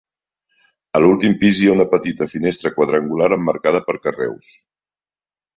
A l'últim pis hi ha una petita finestra quadrangular emmarcada per carreus.